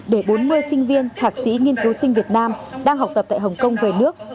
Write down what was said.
để bốn mươi sinh viên thạc sĩ nghiên cứu sinh việt nam đang học tập tại hồng kông về nước